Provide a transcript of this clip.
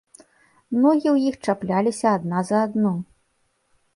Ногі ў іх чапляліся адна за адну.